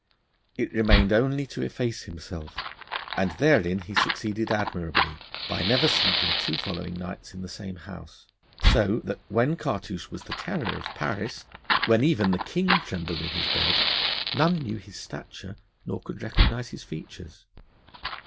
It remained only to efface himself, and therein he succeeded admirably by never sleeping two following nights in the same house: so that, when Cartouche was the terror of Paris, when even the King trembled in his bed, none knew his stature nor could recognise his features.